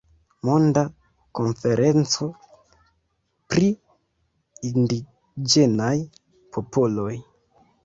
Monda Konferenco pri Indiĝenaj Popoloj.